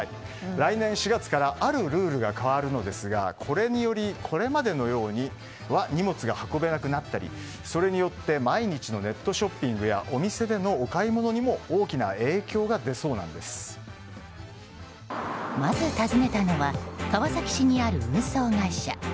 来年４月からあるルールが変わるのですがこれにより、これまでのようには荷物が運べなくなったりそれによって毎日のネットショッピングなどのまず訪ねたのは川崎市にある運送会社。